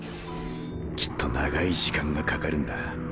きっと長い時間がかかるんだ。